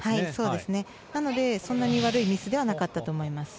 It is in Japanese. なので、そんなに悪いミスではなかったと思います。